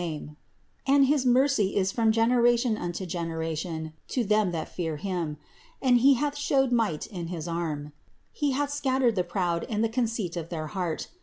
THE INCARNATION 179 50. And his mercy is from generation unto gen eration to them that fear Him. 51. He hath shewed might in his arm; He hath scattered the proud in the conceit of their heart.